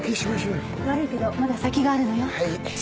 悪いけどまだ先があるのよ。